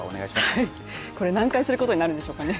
これ、何回することになるんでしょうかね。